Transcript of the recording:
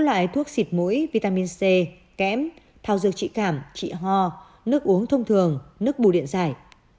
amin c kém thao dược trị cảm trị ho nước uống thông thường nước bù điện giải